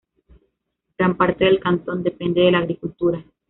Gran parte del cantón depende de la agricultura.